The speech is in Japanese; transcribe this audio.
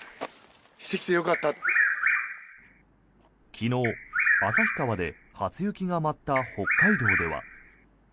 昨日、旭川で初雪が舞った北海道では。